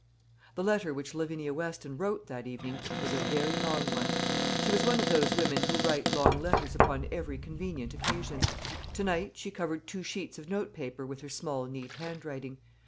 The letter which Lavinia Weston wrote that evening was a very long one. She was one of those women who write long letters upon every convenient occasion. To night she covered two sheets of note paper with her small neat handwriting.